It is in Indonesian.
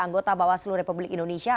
anggota bawaslu republik indonesia